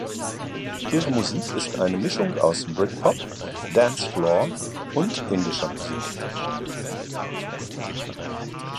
Ihre Musik ist eine Mischung aus Britpop, Dancefloor und indischer Musik.